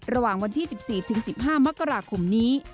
ระหว่างวันที่๑๔ถึง๑๕มกราคมนี้